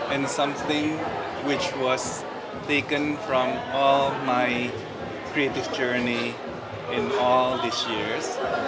dan sesuatu yang telah diambil dari perjalanan kreatif saya selama bertahun tahun ini